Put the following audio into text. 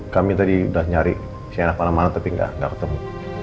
kami tadi udah nyari sienna malam malam tapi gak ketemu